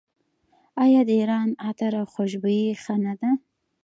آیا د ایران عطر او خوشبویي ښه نه ده؟